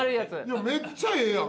いやめっちゃええやん！